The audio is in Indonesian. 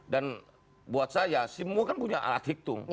dan buat saya semua kan punya alat hiktu